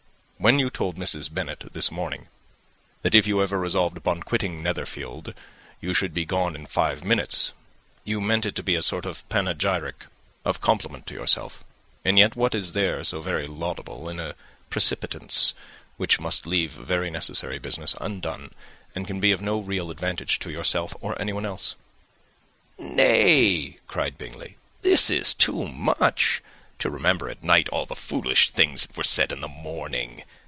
When you told Mrs. Bennet this morning, that if you ever resolved on quitting Netherfield you should be gone in five minutes, you meant it to be a sort of panegyric, of compliment to yourself; and yet what is there so very laudable in a precipitance which must leave very necessary business undone, and can be of no real advantage to yourself or anyone else?" "Nay," cried Bingley, "this is too much, to remember at night all the foolish things that were said in the morning.